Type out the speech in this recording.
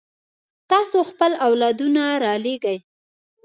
تاسو خپل اولادونه رالېږئ.